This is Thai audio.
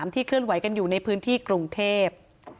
เคลื่อนไหวกันอยู่ในพื้นที่กรุงเทพ